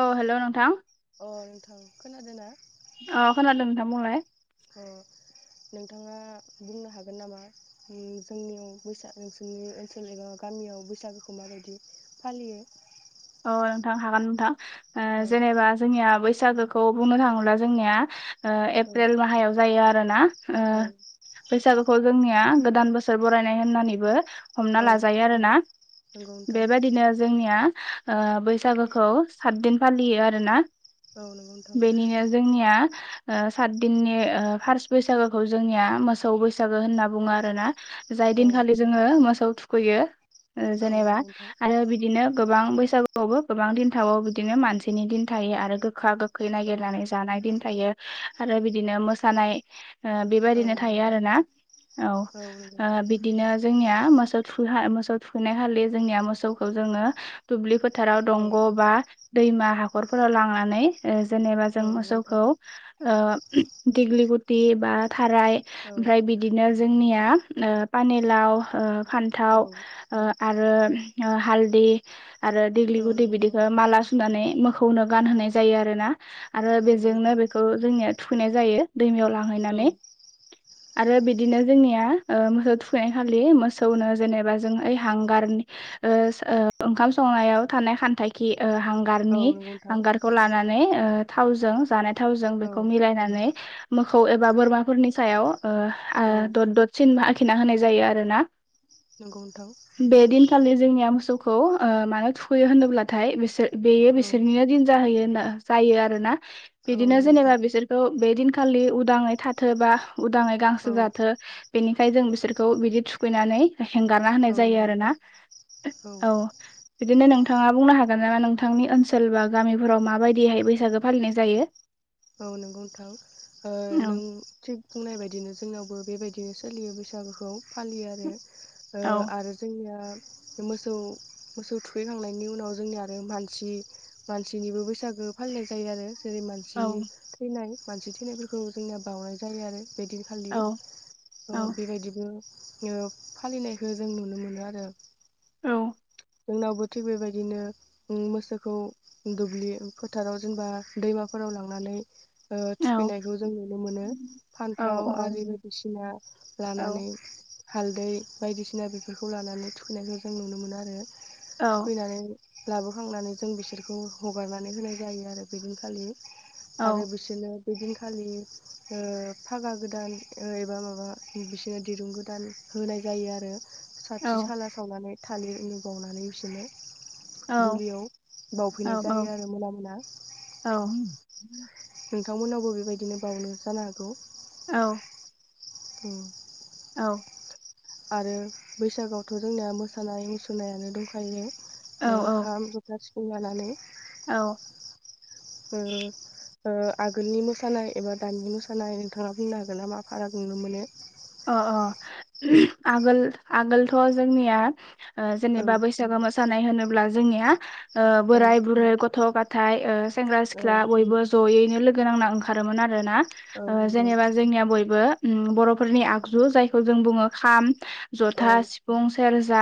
औ हेलौ नोंथां। अ नोंथां खोनादों ना? अ खोनादों नोंथां बुंलाय। औ। नोंथाङा बुंनो हागोन नामा? जोंनियाव बैसागुनि ओनसोलनि एबा गामियाव बैसागुखौ माबायदि फालियो? अ नोंथां हागोन नोंथां ओ औ जेनेबा जोंनिया बैसागु। बैसागुखौ बुंनो थाङोब्ला जोंनिया। ओ एप्रिल मायाव जायो आरो ना ओ औ बैसागु। खौ जोंनिया गोदान बोसोर बरायनाय होननानैबो। हमना औ लाजायो आरोना नंगौ नोंथां बेबायदिनो जोंनिया। ओ बैसागुखौ साददिन फालियो आरोना औ नंगौ नोंथां बेनिनो जोंनिया। ओ साददिननि फारस बैसागुखौ जोंनिया मोसौ बैसागु होनना बुङो आरो ना। जाय औ दिनखालि जोङो मोसौ थुखैयो ओ औ जेनेबा नंगौ नोंथां आरो बिदिनो गोबां बै बैसागु आवबो गोबां दिन थाबाबो बिदिनो मानसिनि दिन थायो आरो गोखा गो खै औ नागिरनानै जानाय दिन थायो आरो बिदिनो मोसानाय ओ बेबायदिनो नंगौ थायो नोंथां आरो ना औ नंगौ ओ नोंथां बिदिनो जोंनिया मो मोसौ थुखैखा मोसौ थुखैनाय खालि जोंनिया मोसौखौ जोङो दुब्लि फोद फोथाराव औ दंग' बा दैमा हाखरफोराव लांनानै ओ जेनेबा जों औ नंगौ नोंथां मोसौखौ ओ दिग्लि गुति बा थाराय औ ओमफ्राय बिदिनो जोंनिया ओ पानेलाव ओ औ फान्थाव ओ आरो हालदि आरो देग्लि औ गुदि नंगौ नोंथां बिदिखौ माला सुनानै मोखौनो गानहोनाय जायो आरो ना? आरो नंगौ बेजोंनो नोंथां बेखौ जोंनिया थुखैनाय जायो दैमायाव औ लांहैनानै। आरो बिदिनो जोंनिया ओ मोसौ थुखैनाय खालि मोसौनो जेनेबा जों ओइ हांगारनि ओस ओ ओंखाम संनायाव थानाय खान्थाखि ओ औ हांगारनि नंगौ नोंथां हांगारखौ लानानै ओ थावजों जानाय थावजों औ बेखौ मिलायनानै मोखौ एबा बोरमाफोरनि सायाव ओ ओ औ दद ददसिन आखिना होनाय जायो आरो ना। नंगौ नोंथां बे दिनखालि जोंनिया मोसौ खौ मानो थुखैयो होनोब्लाथाय बिसोर बेयो औ बिसोरनिनो दिन जाहोयो होनना जायो आरोना। औ नंगौ बिदिनो नोंथां जेनेबा बिसोरखौ बे दिनखालि उदाङै थाथोबा उदाङै गांसो औ जाथो बेनिखाय जों बिसोरखौ बिदि थुखैनानै हेंगारना होनाय औ जायो नंगौ आरो ना नोंथां औ बिदिनो नों थाङा बुंनो हागोन नामा नोंथांनि ओनसोल बा गामिफोराव माबायदिहाय बैसागो फालिनाय जायो? औ नोंगौ नोंथां ओ नों औ थिग बुंनाय बायदिनो जोंनावबो बेबायदिनो सोलियो बैसागुखौ फालियो आरो औ ओ आरो जोंनिया मोसौ मोसौ थुखैखांनायनि उनाव जोंनिया आरो मानसि मानसिनिबो बैसागो फालिनाय जायो आरो जेरै मानसि औ थैनाय मानसि थैनायफोरखौ जोंनिया बावनाय जायो आरो बेदिनखालि औ ओ औ बेबायदिबो ओ फालिनायखो जों नुनो मोनो आरो औ। जोंनावबो थिग बेबायदिनो ओम मोसौखौ दुब्लि फोथाराव जेनेबा दैमाफो राव लांनानै ओ औ थुखैनायखौ जों नुनो मोनो। औ फान्थाव आरि बायदिसिना लानानै हालदै बायदिसिना बेफोरखौ लानानै थुखैनायखौ जों नुनो मोनो आरो औ थुखैनानै लाबोखांनानै जों बिसोरखौ हगारनानै होनाय जायो आरो बे दिनखालि। आरो औ बिसोरनो बेदिनखालि ओ फागा गोदान ओ एबा माबा बिसोरनो दिरुं गोदान होनाय जायो आरो साथि औ खाला सावनानै थालिर उनु बावनानै बिसोरनो औ गुलियाव औ बावफैनाय जायो आरो मोना मोना। होम। नोंथांमोननावबो बेबायदिनो बावनो जानो हागौ। औ। बुं। औ। आरो बैसागोआवथ' जोंनिया मोसानाय मुसुरनायानो दंखायो। औ ओ खाम ज'था सिफुं लानानै औ ओ ओ आगोलनि मोसानाय एबा दानि मोसानाय नोंथाङा बुंनो हागोन ना मा फाराग नुनो मोनो? अ अ आगोल आगोलथ' जोंनिया ओ औ जेनेबा बैसागो मोसानाय होनोब्ला जोंनिया ओ औ बोराय बुरै गथ' गा थाय ओ सेंग्रा औ सिख्ला बयबो ज'यैनो लोगो नांना ओंखारोमोन आरो रो ना औ ओ नंगौ जेनेबा जोंनिया बयबो उम बर'फोरनि आगजु जायखौ जों बुङो खाम औ जथा सिफुं सेरजा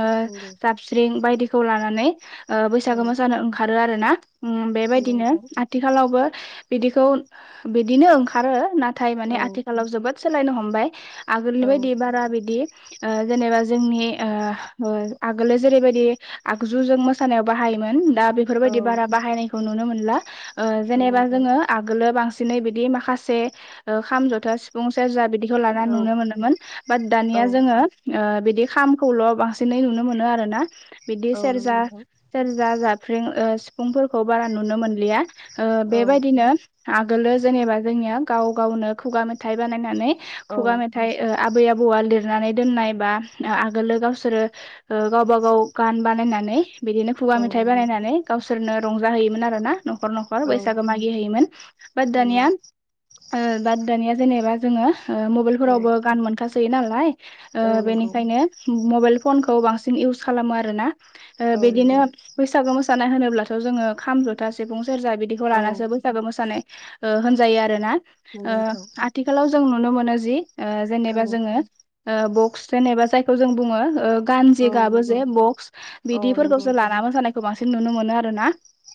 ओ नंगौ जाबस्रिं बायदिखौ लानानै ओ औ बैसागो मोसानो ओंखारो आरो ना उम नंगौ बेबायदिनो नोंथां आथिखालावबो बिदिखौ बिदिनो ओंखारो नाथाय माने औ आथिखालाव जोबोद सोलायनो हमबाय आगोलनि औ बायदि बारा बिदि ओ जेनेबा जोंनि ओ आगोलो जेरैबायदि आगजुजों मोसानायाव बाहायोमोन दा औ बेफोरबायदि बारा बाहायनायखौ नुनो मोनला ओ नंगौ जेनेबा नोंथां जोङो आगोलो बांसिन दिनै बिदि माखासे ओ खाम जथा सिफुं सेरजा बिदि जलाना औ नुनो मोनदोंमोन बाद औ दानिया जोङो ओ बे दि खामखौल' बांसिनै नुनो मोनो आरो ना बिदि नंगौ सेरजा नोंथां सेरजा जा स्रिं ओ सिफुंफोरखौ बारा नुनो मोनलिया ओ औ औ बेबायदिनो आगोलो जेनेबा जोंनिया गाव गावनो खुगा मेथाइ बानायनानै खुगा मेथाइ ओ आबै आ बौआ लिरनानै दोननाय बा आगोलो गावसोरो ओ गावबा गाव गान बानायनानै बिदिनो खुगा औ मेथाइ नंगौ नोंथां बानायनानै गावसोरनो रंजा होयोमोन आरो ना। न'खर न'खर औ बैसागो मागि हैैयोमोन। बाद नंगौ दानिया ओ बाद दानिया जेनेबा जोङो ओ औ मबाइलफोरावबो गान मोनखासोयो नालाय ओ औ नंगौ बेनिखायनो मबाइल फनखौ बांसिन इउस खालामो आरोना। ओ औ बिदिनो नंगौ बैसागु मोसानाय होनोब्लाथ' जोङो खाम, जथा, सिफुं, सेरजा बिदिखौ औ लानासो बैसागो मोसानाय ओ होनजायो आरो ना। नंगौ नोंथां। थिखालाव जों नुनो मोनो जि ओ जेनेबा औ जोङो ओ बक्स जेनेबा जायखौ जों बुङो ओ गानजे औ गाबो नंगौ जे बक्स औ नंगौ बिदिफोरखौसो नोंथां लाना मोसानायखौ बांसिन नुनो मोनो आरो ना।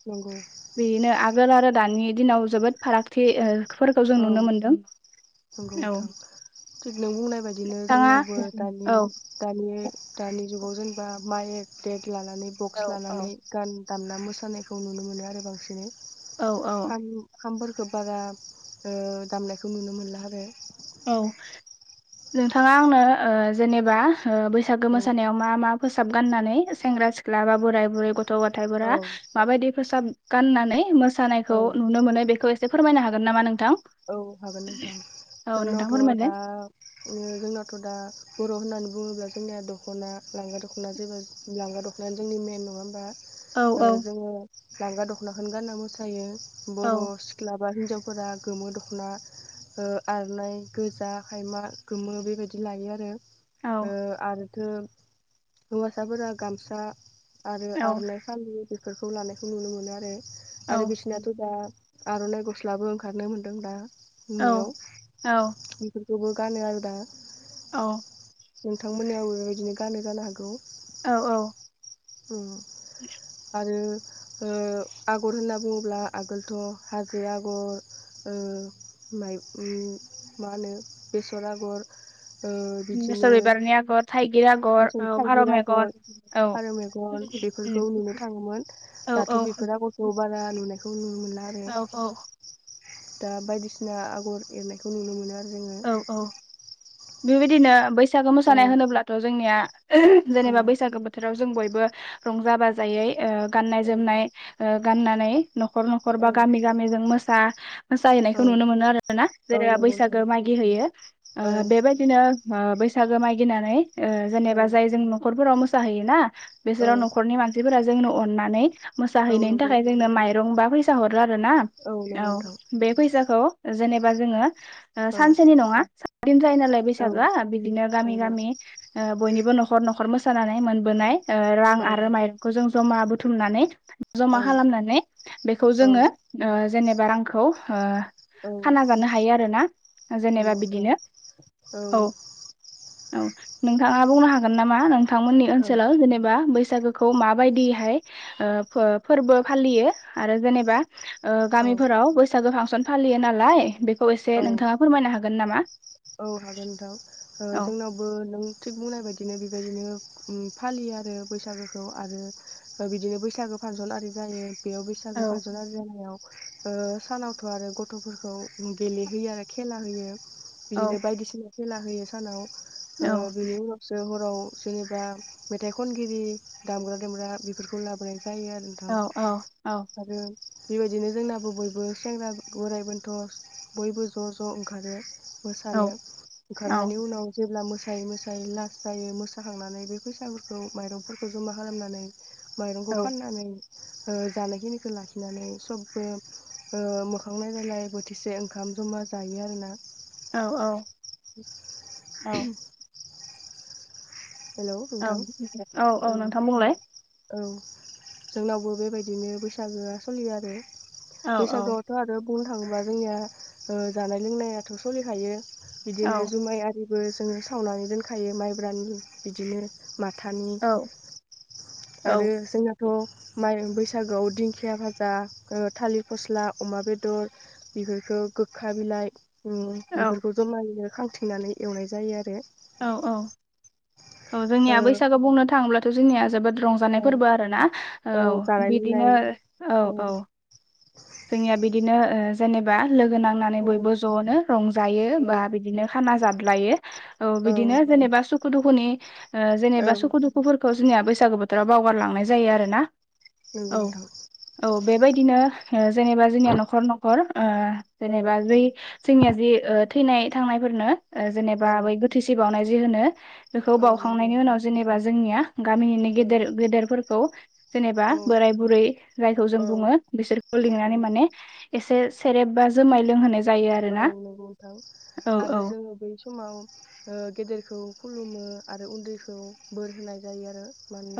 नंगौ। आगोल आरो दानि दिनाव जोबोद फारागथि ओ फोरखौ जों औ नुनो मोनदों। नंगौ औ नोंथां। थिग नों बुंनाय बायदिनो नोंथाङा जोंनियावबो दानि औ दानि दानि नि जुगाव जेनेबा माइक देग लानानै औ बक्स लानानै गान दामना मोसानायखौ नुनो मोनो आरो बांसिनै औ खाम-खामफोरखौ बारा ओ दामनायखौ नुनो मोनला आरो। औ। नोंथाङा आंनो ओ जेनेबा ओ बैसागो औ मोसानायाव मा मा फोसाब गाननानै सेंग्रा सिख्ला बा बोराय बुरै ग गथ' गथायफोरा औ माबायदि फोसाब गाननानै मोसानायखौ औ नुनो मोनो बेखौ एसे फोरमायनो हागोन नामा‌ नों? औ हागोन नोंथां नोंथां जोंनावथ' दा फोरमायलाय ओ जोंनावथ' दा होननानै बुङोब्ला जोंनिया दख'ना लांगा दख'ना जेबो लांगा दख'नायानो जोंनि मेन नङा होमबा? औ ओ औ जोङो लांगा दख'नाखोनो गानना मोसायो औ बर' सिख्ला बा हिनजावफोरा गोमो दख'ना ओ आरनाइ गोजा, खायमा, गोमो बेबायदि लायो आरो। औ ओ आरोथो हौवासाफोरा गामसा आरो औ आरनाइ फालि बेफोरखौ लानायखौ नुनो मोनो आरो। औ आरो बिसनाथ' दा आर'नाइ गस्लाबो ओंखारनो मोनदों दा नुनायाव औ बेफो खौबो गानो आरो दा औ। नोंथांमोनाबो बिदिनो गानो जानो हागौ। औ औ। उम। [unintelligible] आरो ओ आग'र होनना बुङोब्ला आगोलथ' हाजो आग'र ओ माइ ओम मा होनो बेसर आग'र ओ बिदिनो बेसर बिबारनि आगर थाइगिर आगर [unintelligible] औ फारौ थायगिर आग'र मेगन औ फारौ मेग गन बेफोरखौ उम नुनो थाङोमोन। औ दाथ' औ बेफोर आग'रखौ बारा नुनायखौ नुनो ला आरो। औ औ दा बायदिसिना आगर एरनायखौ नुनो मोनो आरो जोङो। बेबादिनो बैसागो औ मोसानाय होनोब्लाथ' जोंनिया ओ औ जेनेबा बैसागो बोथोराव जों बयबो बो रंजा बाजायै ओ गाननाय जोमनाय ओ गाननानै न'खर न'खर औ बा गामि गामि जों औ मोसा-मोसाहैनायखौ नुनो मोनो आरो ना। औ जेनेबा नंगौ बैसाग नोंथां गो मागि होयो। औ ओ बेबायदिनो ओ बैसागो मागिनानै ओ औ जेनेबा जाय जों न'खरफोराव मोसाहैयोना औ बिसोराव न'खरनि मानसिफोरा जोंनो अनानै औ मोसाहैनायनि नंगौ थाखाय जोंनो माइरं बा फैसा हर रो आरो ना औ नंगौ नोंथां बे फैसाखौ जेनेबा जोङो ओ औ सानसेनि नङा साद दिन जायो नालाय औ बैसागोआ बिदिनो गामि नंगौ गामि ओ बयनिबो न'खर न'खर मोसानानै मोनबोनाय ओ रां औ आरो माइरंखौ जों जमा बुथुमनानै जमा औ खालामनानै बेखौ जोङो ओ जेनेबा रांखौ ओ औ खाना जानो हायो आरो ना नंगौ नोंथां औ औ नोंथाङा बुंनो हागोन नामा नोंथांमोननि औ ओनसोलाव जेनेबा बै सागोखौ माबायदियैहाय ओ फो-फोरबो फालियो आरो जेनेबा ओ गामिफोराव बैसागो फांसन फालियो नालाय बेखौ एसे औ औ नोंथाङा फोरमायनो हागोन नामा? औ हागोन नोंथां ओ औ जोंनावबो नों थिग बुंनाय बायदि बिदिनो बेबायदिनो उम फालियो आरो बैसागोखौ आरो ओ बिदिनो बैसागो फांसन आरि जायो बेयाव बैसागु औ फांसन आरि जानायाव ओ सानावथ' आरो गथ'फोरखौ गेलेहैयो आरो खेला होयो बिदिनो औ बायदिसिना खेला होयो सानाव ओ औ बेनि उनावसो ह रआव जेनेबा मेथाइ खनगिरि दामग्रा देग्रा बेफोरखौ लाबोनाय जायो आरो औ औ औ नोंथां आरो बेबायदिनो जोंनाबो बयबो सेंग्रा बोराइ बन्थ' बयबो ज' ज' ओंखारो औ मोसानो औ ओंखारनायनि उनाव जेब्ला मो सायै मोसायै लास जायो मोसाखांनानै बे फैसाफोरखौ माइरंफोरखौ जमा खालामनानै औ माइरंखौ फाननानै ओ जानायखिनिखौ लाखिनानै सबबो ओ मोखां नायलायलाय बोथिसे ओंखाम जमा जायो आरोना औ औ [inaudible] हेलौ औ नोंथां औ औ नोंथां बुंलाय औ जोंनावबो बेबायदिनो बैसागोआ सोलियो आरो औ औ बैसागोआवथ' आरो बुंनो थाङोब्ला जोंनिया ओ जानाय लोंनायाथ' सोलिखायो औ बिदिनो जुमाय आरिबो जोङो सावनानै दोनखायो माइब्रानि बिदिनो माथानि औ औ आरो जोंना थ' माइ बैसागोआव दिंखिया भाजा ओ थालिर, फस्ला, अमा बेदर बेफोरखौ गोखा बिलाइ उम औ बेफोरखौ जमायैनो खांथिंनानै एवनाय जायो आरो औ औ औ जोंनिया बैसागु बुंनो थाङोब्लाथ' जोंनिया जोबोद ओ रंजानाय फोरबो आरोना औ बिदिनो औ औ जोंनिया बिदिनो ओ जेनेबा लोगो नांनानै बयबो औ ज'नो रंजायो बा बिदिनो खाना जाल्दायो औ बिदिनो जेनेबा सुखु दुखुनि ओ औ जेनेबा नंगौ सुखु दुखुफोरखौ जोंनिया बै सागु बोथोराव बावगारलांनाय जायो आरोना औ नोंथां औ बेबायदिनो ओ जेनेबा जोंनिया न'खर न'खर ओ औ जेनेबा जै जोंनिया जि ओ थैनाय थांनायफोरनो ओ जेनेबा औ बै गोथैसि बावनाय जि होनो बेखौ औ नंगौ बावउखांनायनि उनाव नोंथां जेनेबा जोंनिया गामिनिनो औ गेदेर गेदेरफोरखौ जेनेबा औ बोराय बुरै जायखौ जों औ बुङो बिसोरखौ लिंनानै माने एसे सेरेब बा जुमाय लोंहो औ नंगौ नोंथां आरो औ जोङो बै समाव गेदेरखौ खुलुमो आरो उन्दैखौ बोर होनाय जायो आरो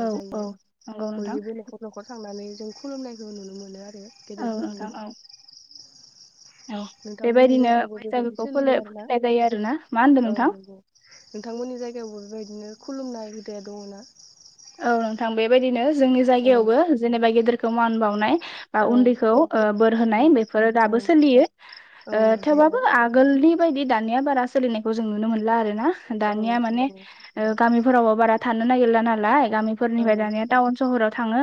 औ औ जायो नंगौ नोंथां बयनिबो न'खर न'खर थांनानै जों खुलुमनायखौ नुनो मोनो आरो औ नोंथां गेदेरफोरनि औ औ नोंथांमोननि बेबायदिनो जायगायावबो बेबायदि बैसागोखौ सोलियो आरोना फलिनाय जायो आरो ना मा होनदों औ नोंथां। नंगौ नोंथांमोननि जायगायावबो बेबायदिनो खुलुमनाय हुदाया दङ ना? औ नोंथां बेबायदिनो जोंनि औ जायगायावबो जेनेबा गेदेरखौ मान बावनाय बा औ उन्दैखौ बोर होनाय बेफोरो औ औ दाबो सोलियो औ ओ नंगौ नोंथां थेवबाबो आगोलनि बायदि दा दानिया बारा सोलिनायखौ जों नुनो मोनला आरोना औ दानिया मानि नंगौ गामि फोरावबो बारा थानो नागिरला नालाय औ गामिफोरनिफ्राय दानिया टाउन सहराव थाङो।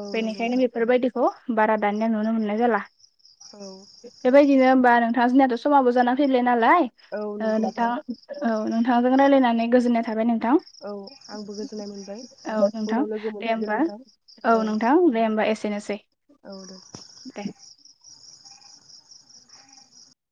औ नंगौ बेनिखायनो नोंथां बेफोरबायदिखौ बारा दानिया नुनो मोननाय जाला औ बेबायदिनो होमबा नोंथां जनियाथ' समाबबो जाना फैलाय नालाय औ ओ नंगौ नोंथां औ नोंथांजों रायलायनानै गोजोननाय थाबाय नोंथां। औ आंबो गो औ नोंथां दे होमबा औ नोंथां दे होमबा एसेनोसै। औ दे। दे